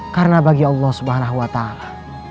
karena bagi allah subhanahu wa ta'ala